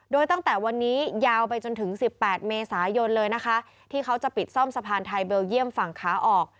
โดยตั้งแต่วันนี้ยาวไปจนถึง๑๘เมษายนเลยนะคะที่เขาจะปิดซ่อมสะพานไทยเบลเยี่ยมฝั่งขาออก